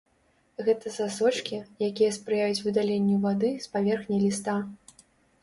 Гэта сасочкі, якія спрыяюць выдаленню вады з паверхні ліста.